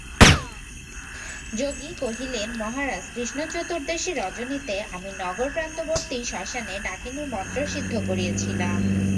যোগী কহিলেন, মহারাজ, কৃষ্ণচতুর্দশী রজনীতে আমি নগরপ্রান্তবর্তী শ্মশানে ডাকিনী মন্ত্র সিদ্ধ করিয়াছিলাম।